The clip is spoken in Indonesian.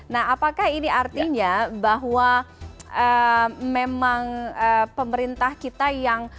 nah apakah ini artinya bahwa memang pemerintah kita yang